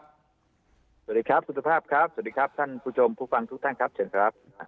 สวัสดีครับคุณสุภาพครับสวัสดีครับท่านผู้ชมผู้ฟังทุกท่านครับเชิญครับ